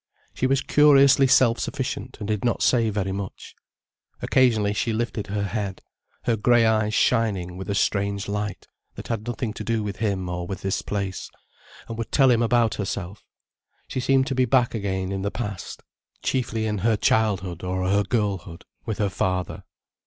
She was curiously self sufficient and did not say very much. Occasionally she lifted her head, her grey eyes shining with a strange light, that had nothing to do with him or with this place, and would tell him about herself. She seemed to be back again in the past, chiefly in her childhood or her girlhood, with her father.